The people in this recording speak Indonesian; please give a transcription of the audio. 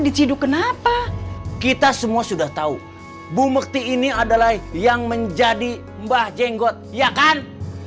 diciduk kenapa kita semua sudah tahu bu mekti ini adalah yang menjadi mbah jenggot ya kan